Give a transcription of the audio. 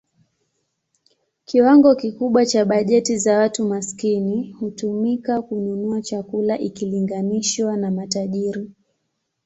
Kiwango kikubwa cha bajeti za watu maskini hutumika kununua chakula ikilinganishwa na matajiri.